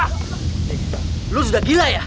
dik lo sudah gila ya